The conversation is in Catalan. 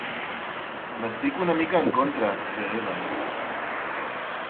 N'estic una mica en contra, Jeeves.